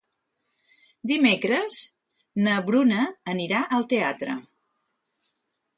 Dimecres na Bruna anirà al teatre.